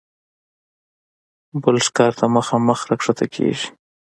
باز ښکار ته مخامخ راښکته کېږي